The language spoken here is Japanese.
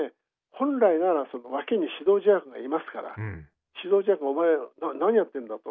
本来なら脇に指導助役がいますから指導助役が「お前何やってんだ」と。